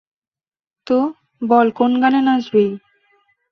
তো, বল কোন গানে নাচবি?